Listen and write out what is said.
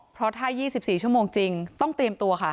เพราะถ้า๒๔ชั่วโมงจริงต้องเตรียมตัวค่ะ